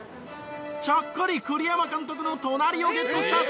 ちゃっかり栗山監督の隣をゲットした杉谷記者。